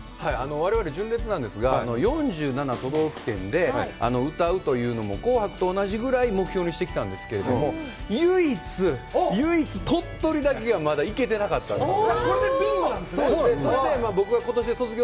我々、純烈なんですが、４７都道府県で歌うというのも紅白と同じぐらい目標にしてきたんですけど唯一、唯一、鳥取だけが、まだ行けてなかったんです。